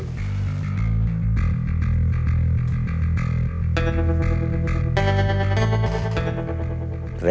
raymond sudah menghubungi saya